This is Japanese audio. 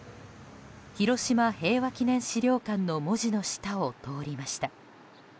「広島平和記念資料館」の文字の下を通りました。